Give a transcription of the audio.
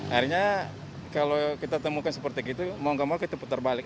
akhirnya kalau kita temukan seperti itu mau gak mau kita putar balik